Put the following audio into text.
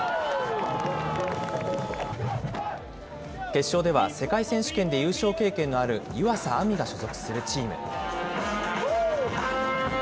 決勝では、世界選手権で優勝経験のある湯浅亜実が所属するチーム。